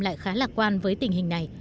lại khá lạc quan với tình hình này